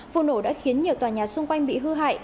vụ nổ đã khiến nhiều tòa nhà xung quanh bị hư hại